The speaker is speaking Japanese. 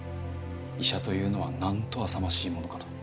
医者というのはなんとあさましいものかと。